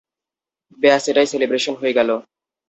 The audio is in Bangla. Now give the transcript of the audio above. ব্যস, এটাই সেলিব্রেশন হয়ে গেল।